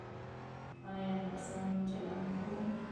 ایا نرسانو چلند ښه و؟